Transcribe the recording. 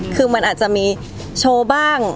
คือมันอาจจะมีโชว์บ้าง